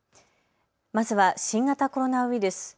まずは新型コロナウイルス。